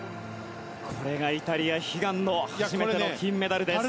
これがイタリア悲願の初めての金メダルです。